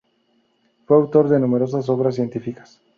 Fue autor de numerosas obras científicas.